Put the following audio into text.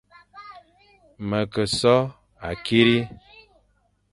Me ke so akiri,